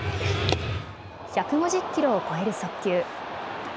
１５０キロを超える速球。